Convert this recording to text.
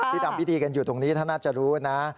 ทำพิธีกันอยู่ตรงนี้ท่านน่าจะรู้นะ